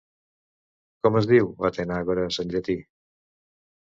Com es diu Atenàgores en llatí?